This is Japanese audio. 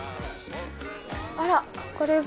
あらこれは。